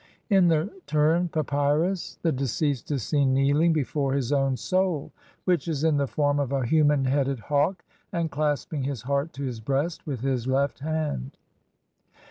In the Turin papyrus (Lepsius, Todtenbuch, Bl. 15) the deceased is seen kneeling before his own soul, which is in the form of a human headed hawk, and clasping his heart to his breast with his left hand.